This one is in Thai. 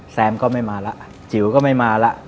แซมก็ไม่มาแล้วจิ๋วก็ไม่มาแล้ว